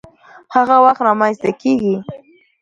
هغه وخت رامنځته کيږي،